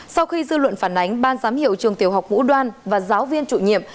sau khi dư luận phản ánh ban giám hiệu trường tiểu học ngũ đoan và giáo viên chủ nhiệm